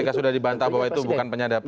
ketika sudah dibantah bahwa itu bukan penyadapan